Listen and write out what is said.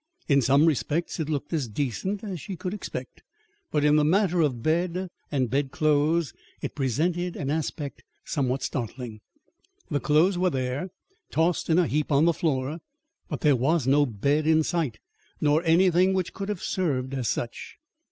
In some respects it looked as decent as she could expect, but in the matter of bed and bedclothes it presented an aspect somewhat startling. The clothes were there, tossed in a heap on the floor, but there was no bed in sight nor anything which could have served as such.